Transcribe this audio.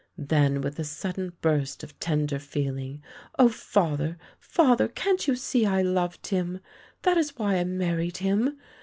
Then with a sudden burst of tender feeling: " Oh, father, father, can't you see I loved him — that is why I married him.